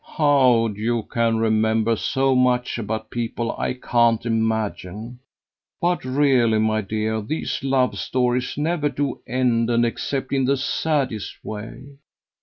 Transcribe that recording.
"How you can remember so much about people I can't imagine; but really, my dear, these love stories never do end except in the saddest way.